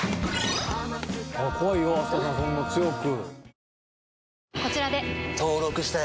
怖いよ飛鳥さんそんな強く。